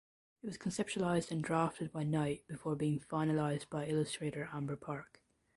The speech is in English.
It was conceptualized and drafted by Knight before being finalized by illustrator Amber Park.